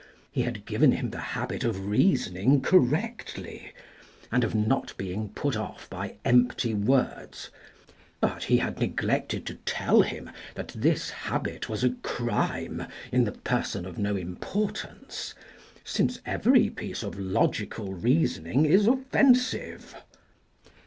He had given him the habit of reasoning correctly, and of not being put off by empty words, but he had neglected to tell him that this habit was a crime in the person of no importance, since every piece of logical reasoning is offensive.